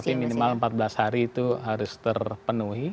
ya tapi minimal empat belas hari itu harus terpenuhi